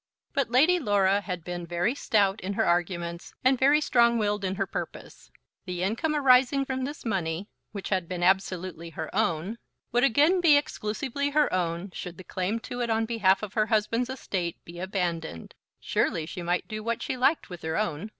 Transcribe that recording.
But Lady Laura had been very stout in her arguments, and very strong willed in her purpose. The income arising from this money, which had been absolutely her own, would again be exclusively her own should the claim to it on behalf of her husband's estate be abandoned. Surely she might do what she liked with her own.